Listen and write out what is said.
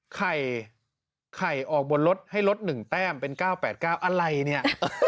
ไข่ไข่ออกบนรถให้ลด๑แต้มเป็น๙๘๙อะไรเนี่ย